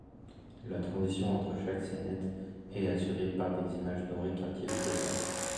La transition entre chaque saynète est assurée par des images d'Henri Cartier-Bresson.